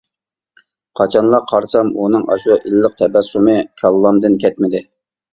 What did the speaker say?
قاچانلا قارىسام ئۇنىڭ ئاشۇ ئىللىق تەبەسسۇمى كاللامدىن كەتمىدى.